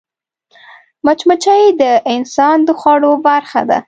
مچمچۍ د انسان د خوړو برخه ده